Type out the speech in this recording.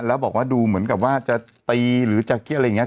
แล้วบอกว่าดูเหมือนกับว่าจะตีหรือจะคิดอะไรอย่างนี้